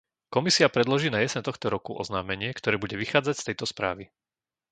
Komisia predloží na jeseň tohto roku oznámenie, ktoré bude vychádzať z tejto správy.